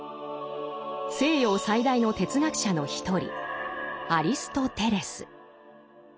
西洋最大の哲学者の一人アリストテレス。